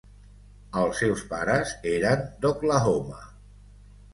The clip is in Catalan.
Els seus pares eren d'Oklahoma.